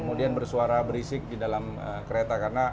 kemudian bersuara berisik di dalam kereta karena